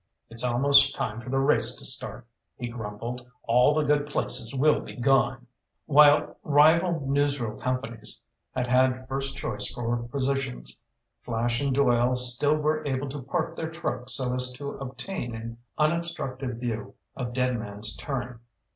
"It's almost time for the race to start," he grumbled. "All the good places will be gone." While rival newsreel companies had had first choice for positions, Flash and Doyle still were able to park their truck so as to obtain an unobstructed view of Dead Man's turn.